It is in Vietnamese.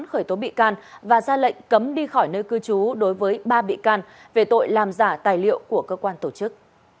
khởi tố bị can và ra lệnh cấm đi khỏi nơi cư trú đối với ba bị can về tội làm giả tài liệu của cơ quan tổ chức